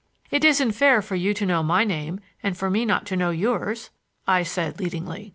"It isn't fair for you to know my name and for me not to know yours," I said leadingly.